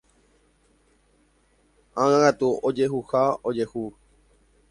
Ág̃akatu, ojehuha, ojehu.